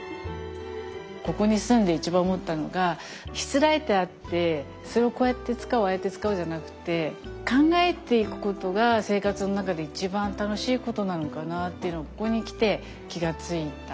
ここに住んで一番思ったのがしつらえてあってそれをこうやって使うああやって使うじゃなくて考えていくことが生活の中で一番楽しいことなのかなっていうのをここに来て気が付いた。